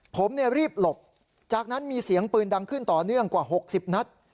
ผมรีบหลบจากนั้นมีเสียงปืนดังขึ้นต่อเนื่องกว่า๖๐นัด